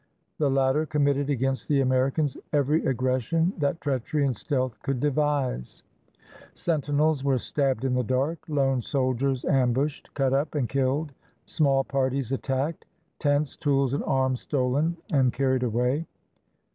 The latter committed against the Americans every aggression that treachery and stealth could devise. ISLANDS OF THE PACIFIC Sentinels were stabbed in the dark, lone soldiers am bushed, cut up, and killed, small parties attacked, tents, tools, and arms stolen and carried away.